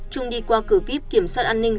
trung đi qua cử viếp kiểm soát an ninh